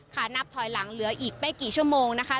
นับถอยหลังเหลืออีกไม่กี่ชั่วโมงนะคะ